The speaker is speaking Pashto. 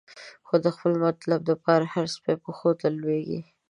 خو د خپل مطلب د پاره، د هر سپی پښو ته لویږی